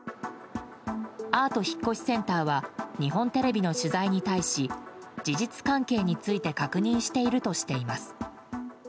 アート引越センターは日本テレビの取材に対し事実関係について確認しているとしています。